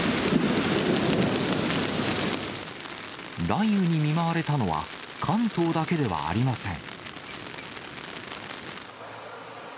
雷雨に見舞われたのは、関東だけではありません。